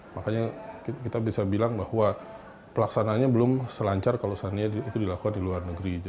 makanya kita bisa bilang bahwa pelaksananya belum selancar kalau seandainya itu dilakukan di luar negeri